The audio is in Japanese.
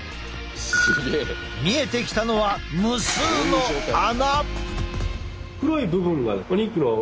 見えてきたのは無数の穴！